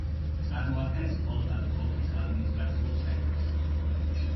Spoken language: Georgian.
წარმოადგენს პოლტავის ოლქის ადმინისტრაციულ ცენტრს.